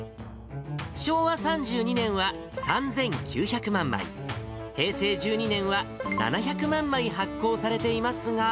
昭和３２年は３９００万枚、平成１２年は７００万枚発行されていますが。